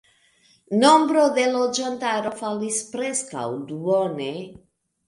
Nombro de loĝantaro falis preskaŭ duone.